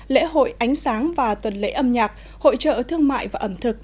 lễ hội ánh sáng và tuần lễ âm nhạc hội trợ thương mại và ẩm thực